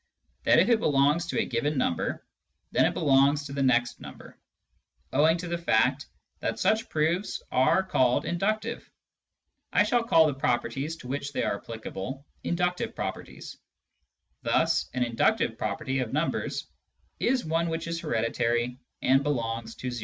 that, if it belongs to a given number, then it belongs to the next number. Owing to the fact that such proofs Digitized by Google THE POSITIVE THEORY OF INFINITY 197 are called " inductive," I shall call the properties to which they are applicable "inductive" properties. Thus an inductive property of numbers is one which is hereditary and belongs to o.